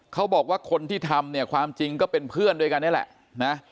เขาบอกว่าคนที่ทำเนี่ยความจริงก็เป็นเพื่อนด้วยกันนี่แหละนะ